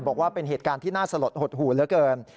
บอกว่าเป็นเหตุการณ์ที่น่าสลดหดหูเหลือเกิน